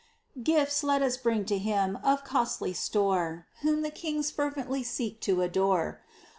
Gifts let us bring to Him Of costly store, Whom the Kings fervently Seek to adore.